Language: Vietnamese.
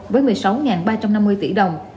với một mươi sáu ba trăm năm mươi tỷ đồng